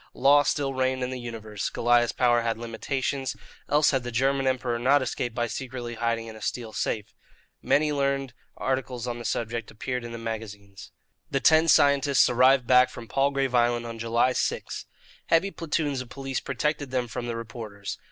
Law still reigned in the universe. Goliah's power had limitations, else had the German Emperor not escaped by secretly hiding in a steel safe. Many learned articles on the subject appeared in the magazines. The ten scientists arrived back from Palgrave Island on July 6. Heavy platoons of police protected them from the reporters.